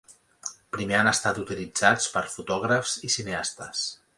Primer han estat utilitzats per fotògrafs i cineastes.